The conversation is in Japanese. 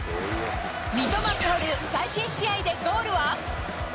三笘薫、最新試合でゴールは？